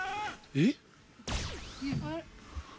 えっ？